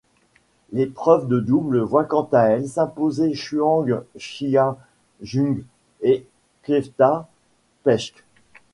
L'épreuve de double voit quant à elle s'imposer Chuang Chia-Jung et Květa Peschke.